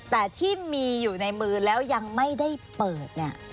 แต่ที่มีอยู่ในมือแล้วยังไม่ได้เปิดเนี่ย